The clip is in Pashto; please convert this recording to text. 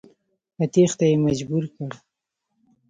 په تېښته یې مجبور کړ.